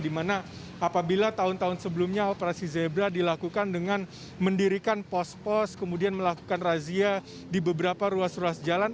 dimana apabila tahun tahun sebelumnya operasi zebra dilakukan dengan mendirikan pos pos kemudian melakukan razia di beberapa ruas ruas jalan